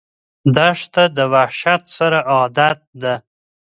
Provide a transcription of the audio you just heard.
دښته د وحشت سره عادت ده.